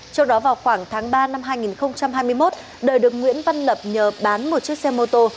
trước đó vào khoảng tháng ba năm hai nghìn hai mươi một đời được nguyễn văn lập nhờ bán một chiếc xe mô tô